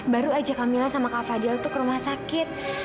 baru aja kamilah sama kak fadil tuh ke rumah sakit